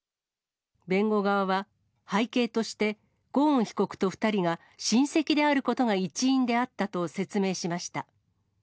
弁護側は、背景として、ゴーン被告と２人が、親戚であることが一因であったと説明しました。